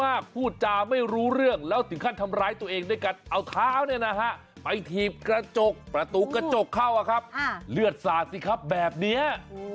ค้ากะเท้าเหรียญแล้วสิ่งข้างทำร้ายตัวเองด้วยกันเอาค้าเนี่ยนะคะไปถีบกระจกประตูกระจกเข้าอะครับเรือสาดสิครับแบบเนี้ย